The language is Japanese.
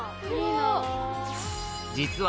実は